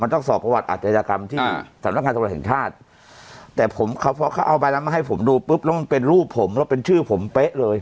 ต้องสอบประวัติอาจยากรรมที่สำนักงานตำรวจแห่งชาติแต่ผมเขาพอเขาเอาใบนั้นมาให้ผมดูปุ๊บแล้วมันเป็นรูปผมแล้วเป็นชื่อผมเป๊ะเลย